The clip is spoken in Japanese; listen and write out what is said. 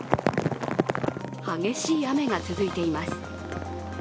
激しい雨が続いています。